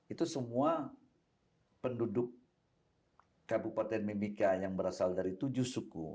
itu semua penduduk kabupaten mimika yang berasal dari tujuh suku